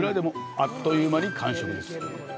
あっという間に完食です。